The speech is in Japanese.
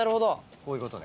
こういうことね。